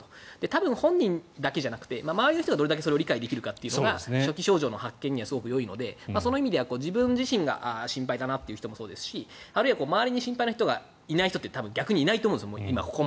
多分本人だけじゃなくて周りの人がどれだけ理解できるかというのが初期症状の発見にはすごくよいので、その意味では自分自身が心配だなというのもそうですしあるいは、周りに心配な人がいない人っていないと思うんです。